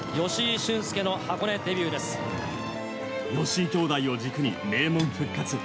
吉居兄弟を軸に名門復活。